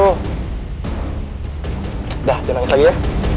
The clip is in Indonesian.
udah jangan nangis lagi ya